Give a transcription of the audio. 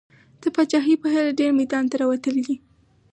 د پاچاهۍ په هیله ډېر میدان ته راوتلي دي.